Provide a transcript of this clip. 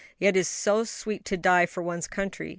Yet it is sweet to die for one's country!